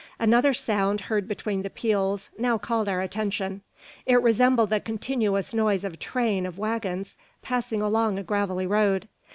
Another sound, heard between the peals, now called our attention. It resembled the continuous noise of a train of waggons passing along a gravelly road.